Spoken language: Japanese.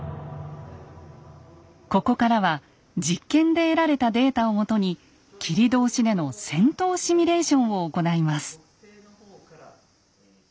ここからは実験で得られたデータをもとに切通での戦闘シミュレーションを行います。